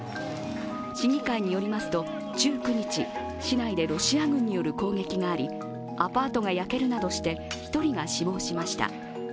市議会によりますと、１９日、市内でロシア軍による攻撃がありアパートが焼けるなどして１人が死亡しました。